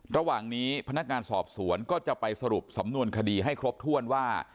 ระหว่างนี้พนักงานสอบสวนก็จะไปสรุปสำนวนคดีให้ครบถ้วนว่า